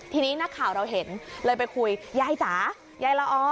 ทีนี้นักข่าวเราเห็นเลยไปคุยยายจ๋ายายละอ